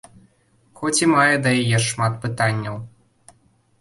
Хоць і мае да яе шмат пытанняў.